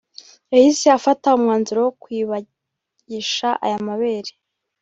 yahise afata umwanzuro wo kwibagisha aya mabere